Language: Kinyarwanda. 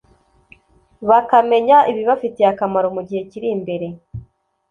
bakamenya ibibafitiye akamaro mu gihe kiri imbere.